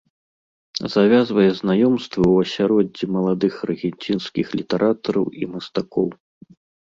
Завязвае знаёмствы ў асяроддзі маладых аргенцінскіх літаратараў і мастакоў.